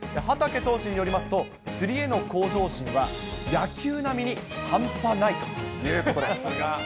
畠投手によりますと、釣りへの向上心は、野球並みに半端ないということです。